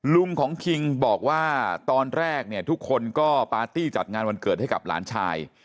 ลุงของคิงบอกว่าตอนแรกเนี่ยทุกคนก็ปาร์ตี้จัดงานวันเกิดให้กับหลานชาย